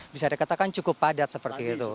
bisa dikatakan cukup padat seperti itu